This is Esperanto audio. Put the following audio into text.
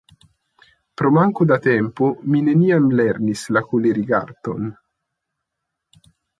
Pro manko da tempo mi neniam lernis la kolerigarton.